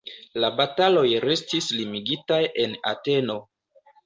La bataloj restis limigitaj en Ateno.